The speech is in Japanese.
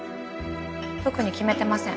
特に決めてません。